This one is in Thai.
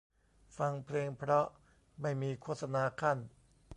ฟังเพลงเพราะไม่มีโฆษณาคั่น